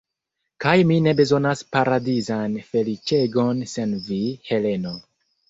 Kaj mi ne bezonas paradizan feliĉegon sen vi, Heleno.